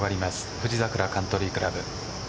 富士桜カントリー倶楽部。